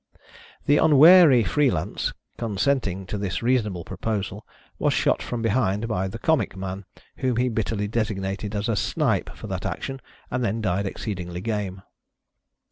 The unwary Pree Lance, consenting to this reasonable proposal, was shot from behind by the comic man, whom he bitterly designated as " a snipe" for that action, and then died exceedingly game.